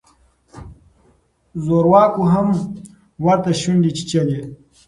زورواکو هم ورته شونډې چیچلې.